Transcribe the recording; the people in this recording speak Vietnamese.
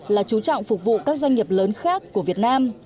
là chú trọng phục vụ các doanh nghiệp lớn khác của việt nam